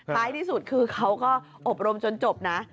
ท้ายที่สุดคือเขาก็อบรมจนจบนะ